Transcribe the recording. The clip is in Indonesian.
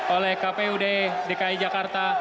oleh kpud dki jakarta